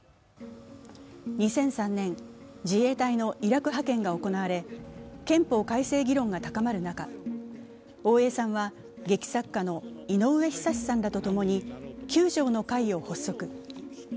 ２００３年、自衛隊のイラク派遣が行われ、憲法改正議論が高まる中、大江さんは劇作家の井上ひさしさんらとともに九条の会を発足。